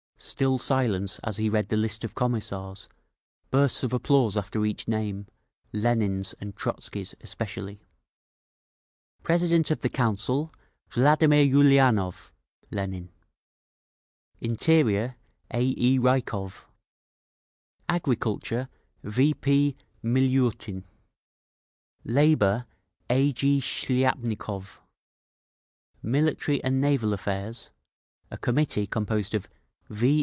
Still silence; as he read the list of Commissars, bursts of applause after each name, Lenin's and Trotzky's especially. President of the Council: Vladimir Ulianov (Lenin) Interior: A. E. Rykov Agriculture: V. P. Miliutin Labour: A. G. Shliapnikov Military and Naval Affairs—a committee composed of V.